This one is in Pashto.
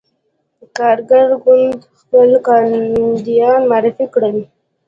کارګر ګوند خپل کاندیدان معرفي کړل.